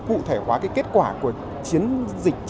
cụ thể hóa kết quả của chiến dịch